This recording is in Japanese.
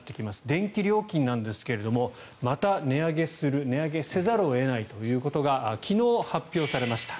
電気料金なんですがまた値上げせざるを得ないということが昨日発表されました。